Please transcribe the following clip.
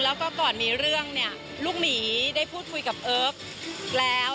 แล้วก็ก่อนมีเรื่องเนี่ยลูกหมีได้พูดคุยกับเอิร์กแล้ว